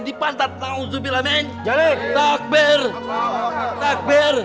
di pantat nafsu bila menjalin takbir takbir